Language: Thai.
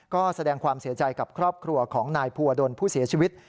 ก็แสดงความเสียใจกับครอบครัวของนายภูวดลผู้เสียชีวิต